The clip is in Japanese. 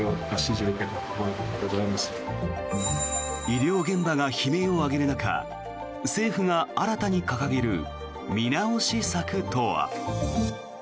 医療現場が悲鳴を上げる中政府が新たに掲げる見直し策とは。